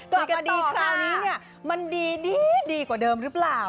เกิดกันดีคราวนี้เนี่ยมันดีดีกว่าเดิมหรือเปล่า